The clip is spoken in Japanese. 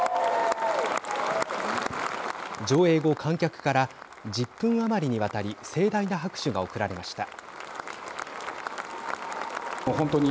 上映後、観客から１０分余りにわたり盛大な拍手が送られました。